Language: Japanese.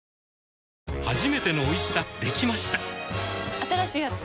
新しいやつ？